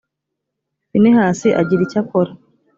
finehasi agira icyo akora